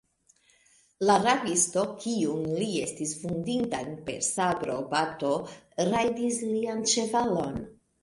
La rabisto, kiun li estis vundinta per sabrobato, rajdis lian ĉevalon.